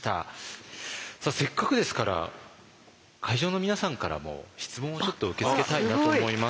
せっかくですから会場の皆さんからも質問をちょっと受け付けたいなと思います。